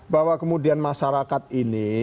bahwa kemudian masyarakat ini